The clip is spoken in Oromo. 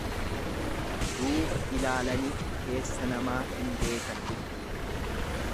Duuba ilaalaniif keessa namaa hin beekan jechuudha.